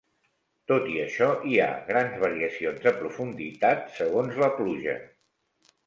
Tot i això, hi ha grans variacions de profunditat segons la pluja.